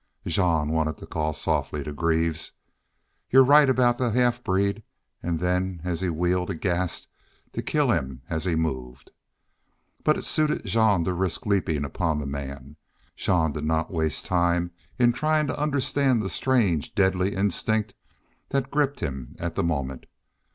Jean wanted to call softly to Greaves, "You're right about the half breed!" and then, as he wheeled aghast, to kill him as he moved. But it suited Jean to risk leaping upon the man. Jean did not waste time in trying to understand the strange, deadly instinct that gripped him at the moment.